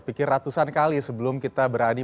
pikir ratusan kali sebelum kita berani